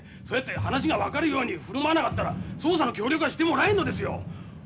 そうやって話が分かるように振る舞わなかったら捜査の協力はしてもらえんのですよ。